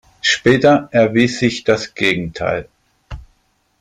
Später erwies sich das Gegenteil.